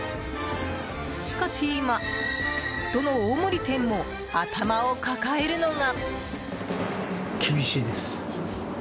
しかし今、どの大盛り店も頭を抱えるのが。